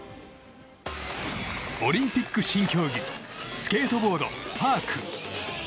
オリンピック新競技スケートボードパーク。